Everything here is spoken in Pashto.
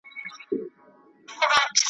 د گلونو مېلمنه یې ښاخلې ستا پر لور کږېږی `